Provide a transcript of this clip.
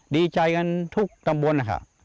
ดีใจกันทุกตำบลนะคะ